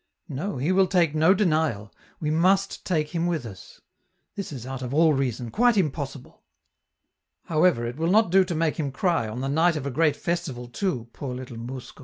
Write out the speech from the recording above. No, he will take no denial, we must take him with us. This is out of all reason, quite impossible! However, it will not do to make him cry, on the night of a great festival too, poor little mousko!